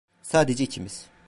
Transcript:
Sadece ikimiz.